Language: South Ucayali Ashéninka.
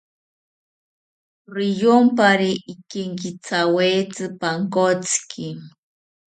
Riyompari ikenkithawetzi pankotziki